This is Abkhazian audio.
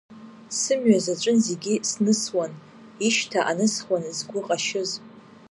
Сымҩа заҵәын зегьы снысуан, ишьҭа анысхуан згәы ҟьашьыз.